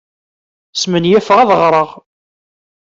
Smenyafeɣ ad ɣreɣ.